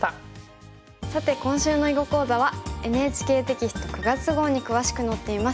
さて今週の囲碁講座はＮＨＫテキスト９月号に詳しく載っています。